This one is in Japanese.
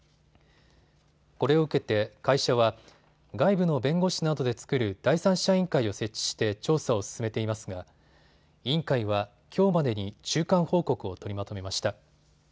これを受けて会社は外部の弁護士などで作る第三者委員会を設置して調査を進めていますが委員会は、きょうまでに中間報告を取りまとめました。